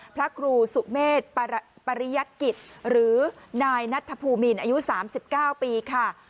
พระครูสุเมฆปริยกิจหรือนายนัทภูมินอายุสามสิบเก้าปีค่ะ